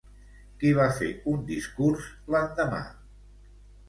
Qui va fer un discurs l'endemà?